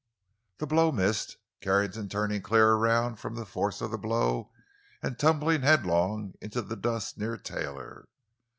The blow missed, Carrington turning clear around from the force of the blow and tumbling headlong into the dust near Taylor.